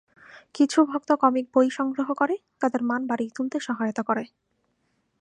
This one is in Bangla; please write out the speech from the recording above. কিছু ভক্ত কমিক বই সংগ্রহ করে, তাদের মান বাড়িয়ে তুলতে সহায়তা করে।